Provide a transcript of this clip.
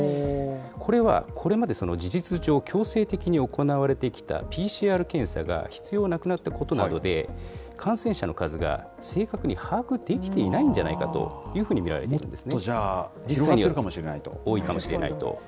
これは、これまで事実上、強制的に行われてきたＰＣＲ検査が必要なくなったことなどで、感染者の数が正確に把握できていないんじゃないかというふうに見もっとじゃあ、実際に多いかもしれないと。